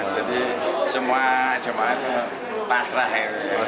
jadi semua jemaah itu pasrah ya